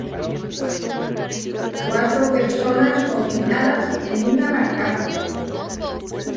cuatro personas confinadas en una barcaza...